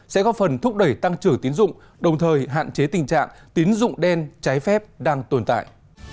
sẽ góp phần thúc đẩy tăng trưởng tiến dụng đồng thời hạn chế tình trạng tín dụng đen trái phép đang tồn tại